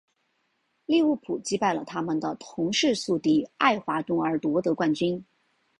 利物浦击败了他们的同市宿敌爱华顿而夺得冠军。